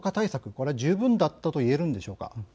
これは十分だったといえるんでしょうか。